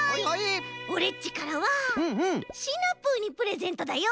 オレっちからはシナプーにプレゼントだよ。